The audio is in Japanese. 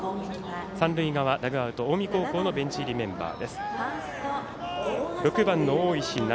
三塁側、ダグアウト近江高校のベンチ入りメンバー。